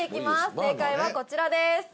正解はこちらです。